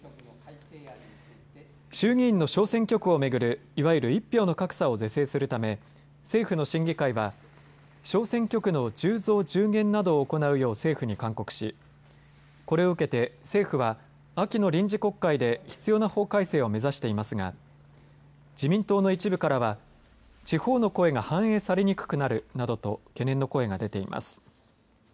衆議院の小選挙区を巡るいわゆる１票の格差を是正するため政府の審議会は小選挙区の１０増１０減などを行うよう政府に勧告しこれを受けて、政府は秋の臨時国会で必要な法改正を目指していますが自民党の一部からは地方の声が反映されにくくなるなどと懸念の声が出ています。